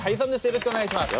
よろしくお願いします。